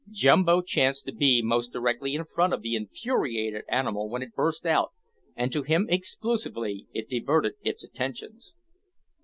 Jumbo chanced to be most directly in front of the infuriated animal when it burst out, and to him exclusively it directed its attentions.